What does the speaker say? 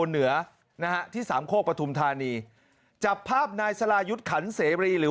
เหนือนะฮะที่สามโคกปฐุมธานีจับภาพนายสลายุทธ์ขันเสรีหรือ